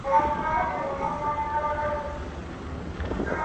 نه مي علم نه هنر په درد لګېږي!!